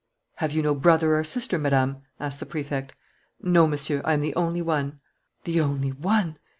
"Have you no brother or sister, Madame?" asked the Prefect. "No, Monsieur le Préfet, I am the only one." The only one!